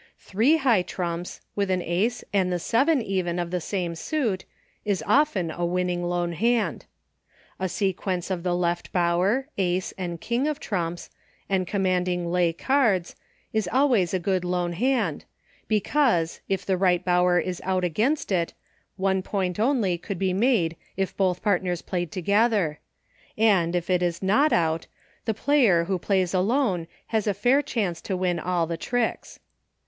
Three high trumps, with an Ace and the seven even of the same suit, is often a winning lone hand. A sequence of the Left Bower, Ace, and King of trumps, and commanding lay cards, is always a good lone hand, because, if the Eight Bower is out against it, one point only could be made if both partners played to gether ; and, if it is not out, the player, who Plays Alone, has a fair chance to win all the tricks.